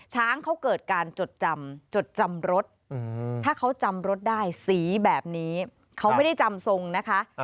ช้างเขาเกิดการจดจำจดจำรถถ้าเขาจำรถได้สีแบบนี้เขาไม่ได้จำทรงนะคะ